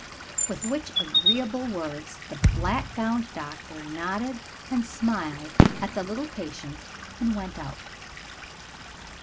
With which agreeable words the black gowned doctor nodded and smiled at the little patient, and went out.